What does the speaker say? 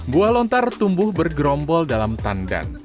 buah lontar tumbuh bergerombol dalam tandan